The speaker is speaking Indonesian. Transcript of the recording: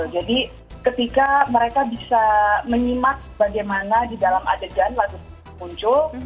jadi ketika mereka bisa menyimak bagaimana di dalam adegan lalu muncul